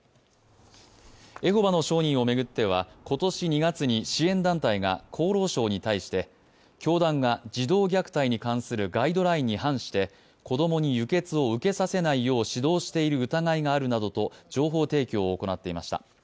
エホバの証人を巡っては今年２月に支援団体が厚労省に対して、教団が児童虐待に関するガイドラインに反して子供に輸血を受けさせないよう指導している疑いがあるなどと情報提供を行っていました。